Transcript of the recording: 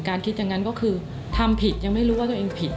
คิดอย่างนั้นก็คือทำผิดยังไม่รู้ว่าตัวเองผิด